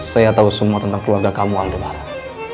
saya tahu semua tentang keluarga kamu aldebaran